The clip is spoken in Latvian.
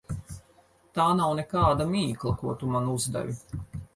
Tā nav nekāda mīkla, ko tu man uzdevi.